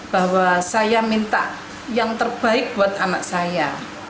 bahwa saya minta yang terbaik buat anak saya